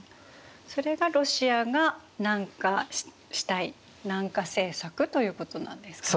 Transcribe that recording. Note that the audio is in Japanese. それがロシアが南下したい南下政策ということなんですか？